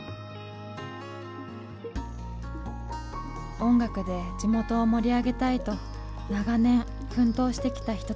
音楽で地元を盛り上げたいと長年奮闘してきた人たち。